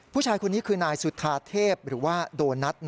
ผู้ชายคนนี้คือนายสุธาเทพหรือว่าโดนัท